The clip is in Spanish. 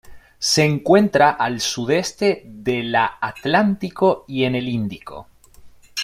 Se encuentra al sudeste de la Atlántico y en el Índico.